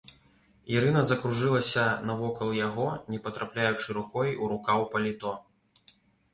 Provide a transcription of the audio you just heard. Ірына закружылася навокал яго, не патрапляючы рукой у рукаў паліто.